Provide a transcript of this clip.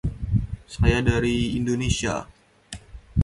He was of counsel at Fornaro Francioso, a Hamilton firm.